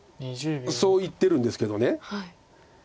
そう言ってるんですけど。